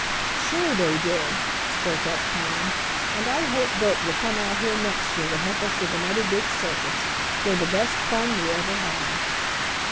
"Sure they did," spoke up Tom, "and I hope Bert will come out here next year to help us with another big circus. They're the best fun we ever had."